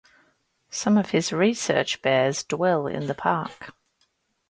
Some of his research bears dwell in the park.